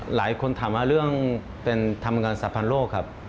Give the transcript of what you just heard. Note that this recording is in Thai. หลายคนถามว่าเรื่องเป็นทำงานสรรพันธ์โลกครับ